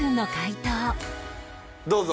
どうぞ。